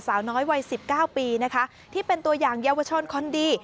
สาวน้อยวัย๑๙ปีนะคะที่เป็นตัวอย่างเยาวชนคนดี